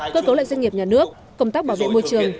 cơ cấu lại doanh nghiệp nhà nước công tác bảo vệ môi trường